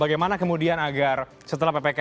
bagaimana kemudian agar setelah ppkm level ini